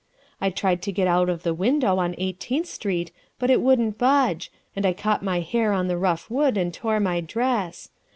I tried to get out of the window on Eighteenth Street, but it wouldn't budge, and I caught my hair on the rough wood and tore my dress.